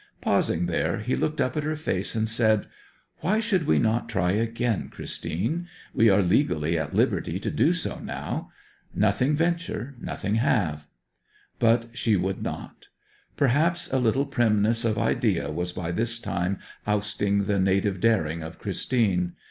Pausing there, he looked up at her face and said, 'Why should we not try again, Christine? We are legally at liberty to do so now. Nothing venture nothing have.' But she would not. Perhaps a little primness of idea was by this time ousting the native daring of Christine.